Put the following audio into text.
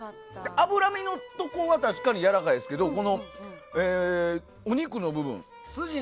脂身のところは確かにやわらかいですけどお肉の部分。